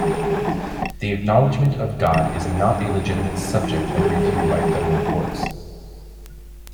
The acknowledgment of God is not a legitimate subject of review by federal courts.